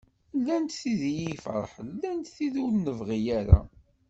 Llant tid iyi-ferḥen llant tid ur nebɣi ara.